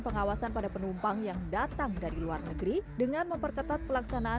pengawasan pada penumpang yang datang dari luar negeri dengan memperketat pelaksanaan